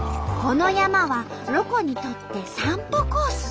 この山はロコにとって散歩コース。